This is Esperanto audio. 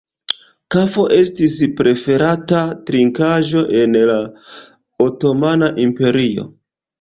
Kafo estis preferata trinkaĵo en la otomana imperio.